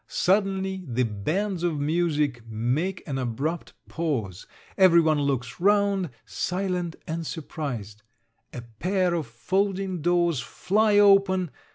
Suddenly the bands of music make an abrupt pause. Every one looks round, silent, and surprised. A pair of folding doors fly open.